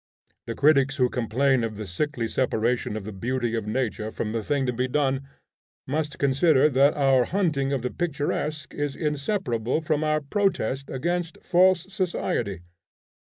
The critics who complain of the sickly separation of the beauty of nature from the thing to be done, must consider that our hunting of the picturesque is inseparable from our protest against false society.